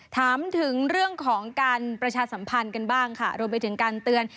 ถามถึงเรื่องของการประชาสัมพันธ์กันบ้างค่ะรวมไปถึงการเตือน